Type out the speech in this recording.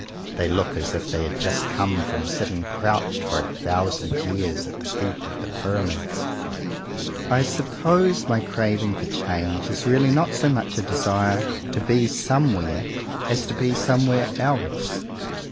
They look as if they had just come from sitting crouched for a thousand years at the feet of the Pyramids. I suppose my craving for change is really not so much a desire to be somewhere, as to be somewhere else.